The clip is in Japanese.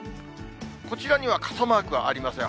こちらには、傘マークはありません。